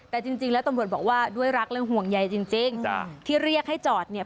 แต่จริงแล้วตำรวจบอกว่าด้วยรักและห่วงใยจริงที่เรียกให้จอดเนี่ย